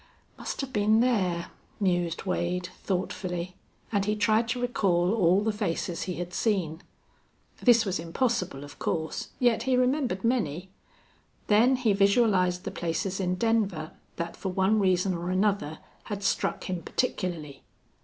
"Must have been there," mused Wade, thoughtfully, and he tried to recall all the faces he had seen. This was impossible, of course, yet he remembered many. Then he visualized the places in Denver that for one reason or another had struck him particularly.